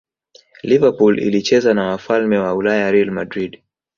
liverpool ilicheza na wafalme wa ulaya real madrid